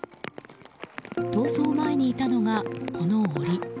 逃走前にいたのが、この檻。